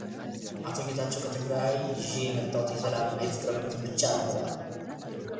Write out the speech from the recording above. አቶ ጌታቸው ከትግራይ ይዤ የመጣሁት የሰላም እና የፍቅር መልዕክት ብቻ ነው ብለዋል